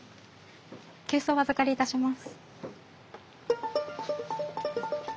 急須お預かりいたします。